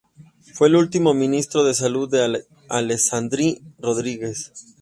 Fue el último ministro de Salud de Alessandri Rodríguez.